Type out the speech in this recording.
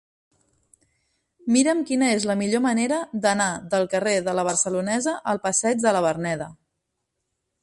Mira'm quina és la millor manera d'anar del carrer de La Barcelonesa al passeig de la Verneda.